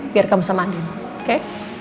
biar kamu sama andin oke